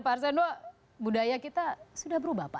pak arseno budaya kita sudah berubah pak arseno